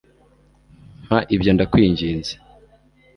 mpa ibyo, ndakwinginze